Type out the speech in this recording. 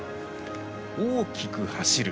「大きく走る」。